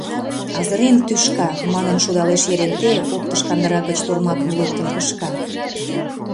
— Азырен тӱшка! — манын шудалеш Еренте, оптыш кандыра гыч тормакым луктын кышка.